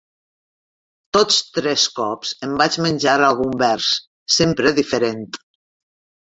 Tots tres cops em vaig menjar algun vers, sempre diferent.